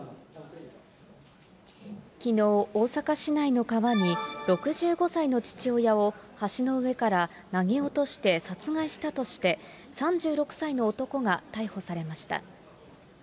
きのう、大阪市内の川に６５歳の父親を橋の上から投げ落として殺害したとして、３６歳の男が逮捕されました。